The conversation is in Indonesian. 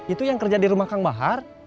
itu yang kerja di rumah kang mahar